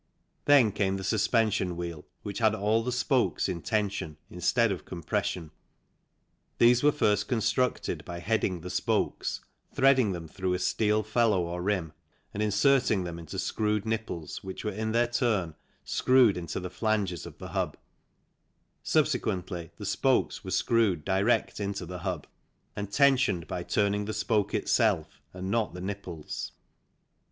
Then came the suspension wheel which had all the spokes in tension instead of compression. These were first constructed by heading the spokes, threading them through a steel FIG. 2 THE ARIEL BICYCLE OF HAYNES AND JEFFRIES The wheel spokes were tensioned by levers felloe or rim and inserting them into screwed nipples which were in their turn screwed into the flanges of the hub. Subsequently the spokes were screwed direct into the hub and tensioned by turning the spoke itself and not the nipples.